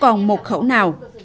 không còn một khẩu nào